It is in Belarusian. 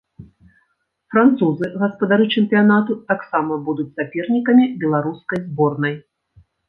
Французы, гаспадары чэмпіянату, таксама будуць сапернікамі беларускай зборнай.